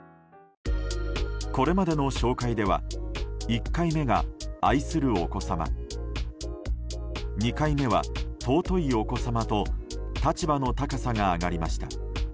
これまでの紹介では１回目が愛するお子様２回目が尊いお子様と立場の高さが上がりました。